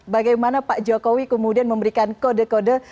bagaimana pak jokowi kemudian memberikan kode kode